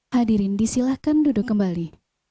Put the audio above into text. hadirin disilahkan duduk kembali